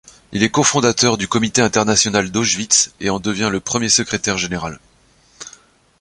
Il est cofondateur du Comité international d'Auschwitz et en devient le premier secrétaire général.